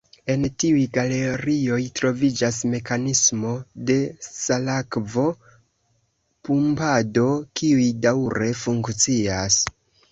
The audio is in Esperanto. En tiuj galerioj, troviĝas mekanismoj de salakvo-pumpado, kiuj daŭre funkcias.